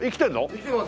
生きてます。